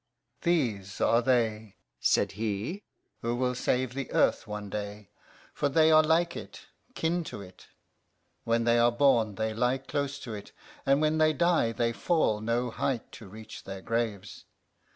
"These are they," said he, "who will save the earth one day, for they are like it, kin to it. When they are born they lie close to it, and when they die they fall no height to reach their graves.